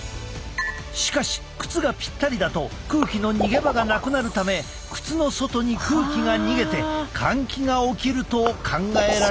しかし靴がぴったりだと空気の逃げ場がなくなるため靴の外に空気が逃げて換気が起きると考えられている。